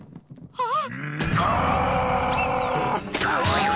ああ！